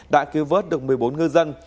đã cứu vớt được một mươi bốn ngư dân